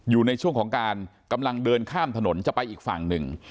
อยู่ในช่วงของการกำลังเดินข้ามถนนจะไปอีกฝั่งหนึ่ง